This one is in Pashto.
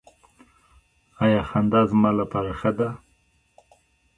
ایا خندا زما لپاره ښه ده؟